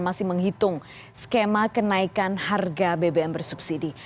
masih menghitung skema kenaikan harga bbm bersubsidi